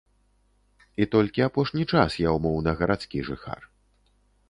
І толькі апошні час я ўмоўна гарадскі жыхар.